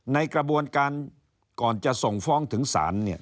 ในกระบวนการก่อนจะส่งฟ้องถึงศาลเนี่ย